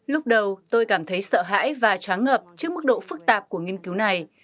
lúc đầu tôi cảm thấy sợ hãi và chóng ngợp trước mức độ phức tạp của nghiên cứu này